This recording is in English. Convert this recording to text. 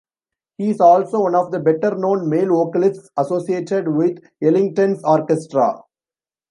He is also one of the better known male vocalists associated with Ellington's orchestra.